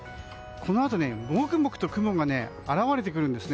このあと、もくもくと雲が現れてくるんです。